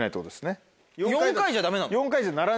４回じゃダメなの？